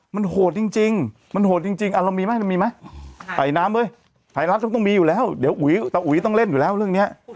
มันโหดจริงมันโหดจริงเรามีไหมเรามีไหมไอน้ำเว้ยไทยรัฐต้องมีอยู่แล้วเดี๋ยวอุ๋ยตาอุ๋ยต้องเล่นอยู่แล้วเรื่องนี้